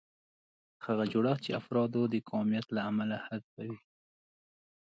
هغه جوړښت چې افراد د قومیت له امله حذفوي.